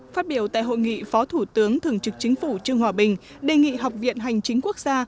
phát biểu tại hội nghị phó thủ tướng thường trực chính phủ trương hòa bình đề nghị học viện hành chính quốc gia